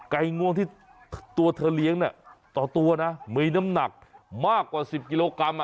ง่วงที่ตัวเธอเลี้ยงต่อตัวนะมีน้ำหนักมากกว่า๑๐กิโลกรัม